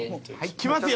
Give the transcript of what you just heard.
きますよ！